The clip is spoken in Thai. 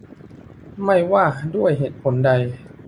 ไม่ว่าด้วยเหตุใด